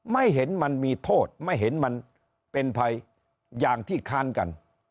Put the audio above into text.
ไม่เห็นมันมีโทษไม่เห็นมันเป็นภัยอย่างที่ค้านกัน